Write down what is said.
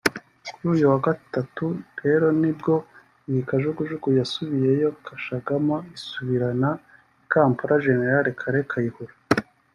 Kuri uyu wa gatatu rero ngo nibwo iyi kajugujugu yasubiyeyo kashagama isubirana I Kampala Gen Kale Kayihura